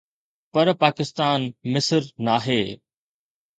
پر پاڪستان مصر ناهي.